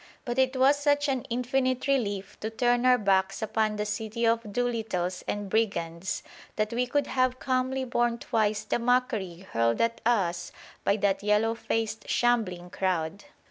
But it was such an infinite relief to turn our backs upon the city of do littles and brigands that we could have calmly borne twice the mockery hurled at us by that yellow faced shambling crowd.